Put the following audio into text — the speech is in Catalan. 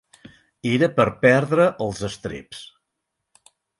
Era per perdre els estreps.